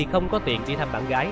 vì không có tiện đi thăm bạn gái